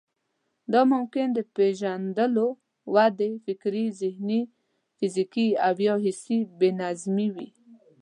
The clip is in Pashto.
دا ممکن د پېژندلو، ودې، فکري، ذهني، فزيکي او يا حسي بې نظمي وي.